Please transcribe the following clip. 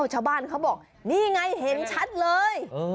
ชาวบ้านเขาบอกนี่ไงเห็นชัดเลย